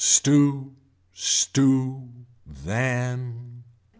Stew, stew, than.